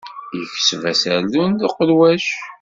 Yekseb aserdun d uqelwac.